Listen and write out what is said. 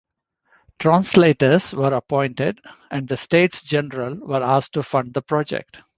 Translators were appointed, and the States-General were asked to fund the project.